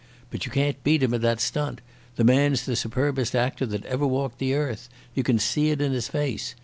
But you can't beat him at that stunt. The man's the superbest actor that ever walked the earth. You can see it in his face.